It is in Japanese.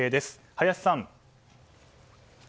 林さん。